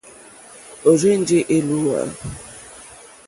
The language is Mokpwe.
Ó rzènjé èlùwà.